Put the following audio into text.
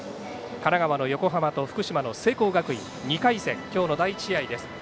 神奈川の横浜と福島の聖光学院２回戦、今日の第１試合です。